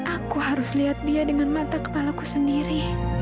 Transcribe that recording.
aku harus lihat dia dengan mata kepalaku sendiri